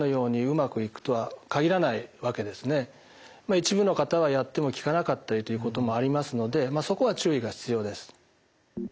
一部の方はやっても効かなかったりということもありますのでまあそこは注意が必要です。